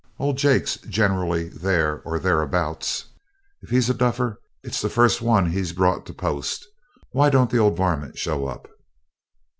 'Old Jake's generally there or thereabouts. If he's a duffer, it's the first one he's brought to the post. Why don't the old varmint show up?'